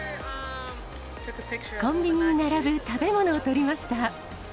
コンビニに並ぶ食べ物を撮りました。